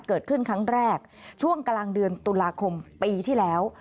เกิดขึ้นครั้งแรกช่วงกลางเดือนตุลาคมปีที่แล้ว